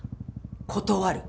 断る！